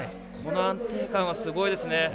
この安定感はすごいですね。